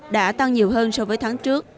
đã tăng nhiều hơn so với tháng trước